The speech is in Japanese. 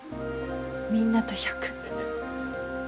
みんなと１００